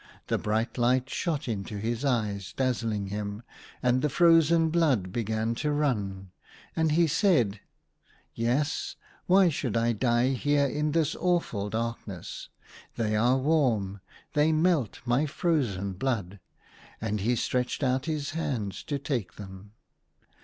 The bright light shot into his eyes, dazzling him, and the frozen blood began to run. And he said —" Yes ; why should I die here in this THE HUNTER. 41 awful darkness ? They are warm, they melt my frozen blood !" and he stretched out his hands to take them.